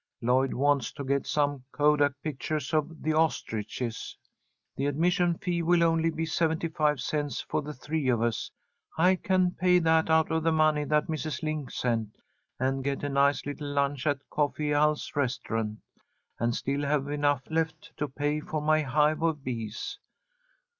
Lloyd wants to get some kodak pictures of the ostriches. The admission fee will only be seventy five cents for the three of us. I can pay that out of the money that Mrs. Link sent, and get a nice little lunch at Coffee Al's restaurant, and still have enough left to pay for my hive of bees.